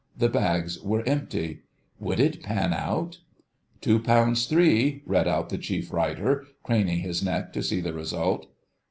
The bags were empty: would it "pan out"? "Two pounds three," read out the Chief Writer, craning his neck to see the result.